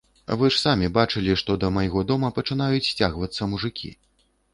Вы ж самі бачылі, што да майго дома пачынаюць сцягвацца мужыкі.